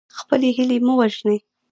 خپلې هیلې مه وژنئ.